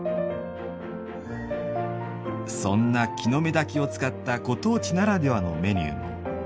そんな「木の芽煮」を使ったご当地ならではのメニューも。